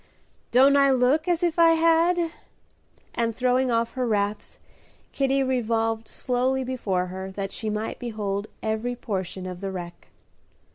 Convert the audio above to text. "Don't I look as if I had?" and, throwing off her wraps, Kitty revolved slowly before her that she might behold every portion of the wreck.